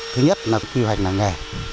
thứ nhất là quy hoạch nàng nghề